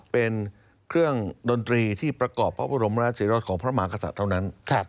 เป็นเครื่องดนตรีที่ประกอบพระบรมราชอิทธิรกฎของพระหมากษะเท่านั้น